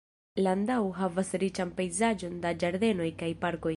Landau havas riĉan pejzaĝon da ĝardenoj kaj parkoj.